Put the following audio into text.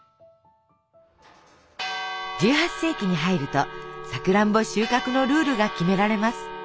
１８世紀に入るとさくらんぼ収穫のルールが決められます。